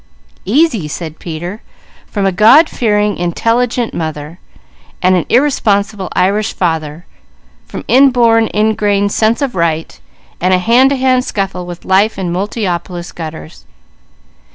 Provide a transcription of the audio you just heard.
"Easy!" said Peter. "From a God fearing, intelligent mother, and an irresponsible Irish father, from inborn, ingrained sense of right, and a hand to hand scuffle with life in Multiopolis gutters.